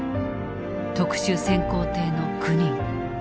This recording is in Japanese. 特殊潜航艇の９人。